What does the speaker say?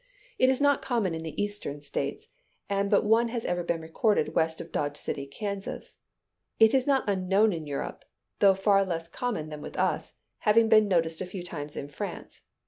It is not common in the eastern states, and but one has ever been recorded west of Dodge City, Kansas. It is not unknown in Europe, though far less common than with us, having been noticed a few times in France.